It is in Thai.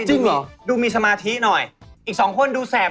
จริงเหรอดูมีสมาธิหน่อยอีกสองคนดูแสบ